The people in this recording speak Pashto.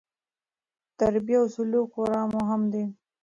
تربیه او سلوک خورا مهم دي.